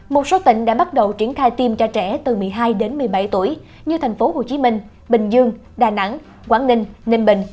một số tỉnh đã bắt đầu triển khai tiêm tra trẻ từ một mươi hai đến một mươi bảy tuổi như tp hcm bình dương đà nẵng quảng ninh ninh bình